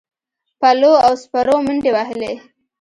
پلو او سپرو منډې وهلې.